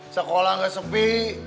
sekolah gak sepi